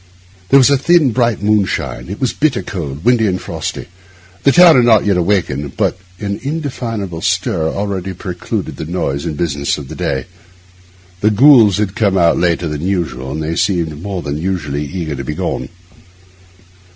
There was a thin, bright moonshine; it was bitter cold, windy, and frosty; the town had not yet awakened, but an indefinable stir already preluded the noise and business of the day. The ghouls had come later than usual, and they seemed more than usually eager to be gone.